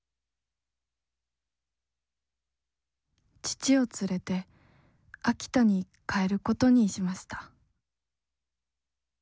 「父を連れて秋田に帰ることにしました」。